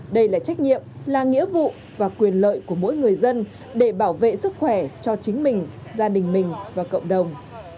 đây là trách nhiệm là nghĩa vụ và quyền lợi của mỗi người dân để bảo vệ sức khỏe cho chính mình gia đình mình và cộng đồng